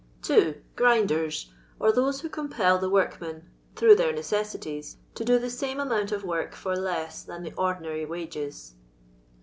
2. Grinders, or those who compel the work men (through their neceuities) to do tho same amount of work for less than the ordinary wages.